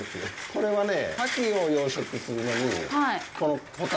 これはね